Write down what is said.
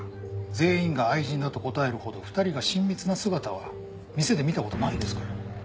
全員が愛人だと答えるほど２人が親密な姿は店で見た事ないですから。